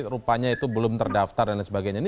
rupanya itu belum terdaftar dan lain sebagainya